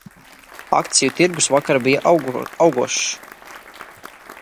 Akciju tirgus vakar bija augošs.